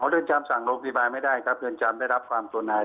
เรือนจำสั่งโรงพยาบาลไม่ได้ครับเรือนจำได้รับความตัวนาย